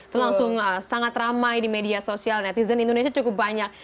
selangsung sangat ramai di media sosial netizen indonesia cukup banyak